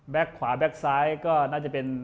ขวาแบ็คซ้ายก็น่าจะเป็น